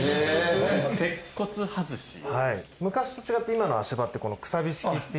昔と違って今の足場ってこのくさび式っていって。